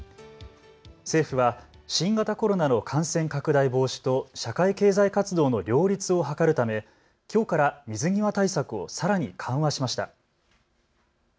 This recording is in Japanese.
政府は新型コロナの感染拡大防止と社会経済活動の両立を図るためきょうから水際対策をさらに緩和しました。